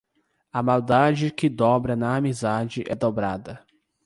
A maldade que dobra na amizade é dobrada.